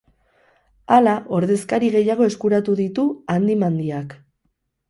Hala, ordezkari gehiago eskuratu ditu handi-mandiak.